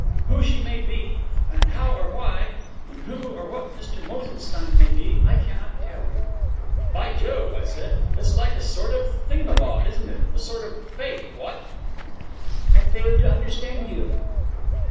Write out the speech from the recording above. Who she may be, and how or why, and who or what Mr Mosenstein may be, I cannot tell you.' 'By jove,' I said, 'it's like a sort of thingummybob, isn't it? A sort of fate, what?' 'I fail to understand you.'